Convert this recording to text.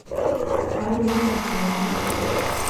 އަހަރެން މިހުންނަނީ ކެތްމަދުވެފަ